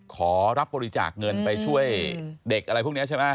ขอรับบริจาคเงินไปช่วยเด็กอะไรพวกนี้ใช่ไหม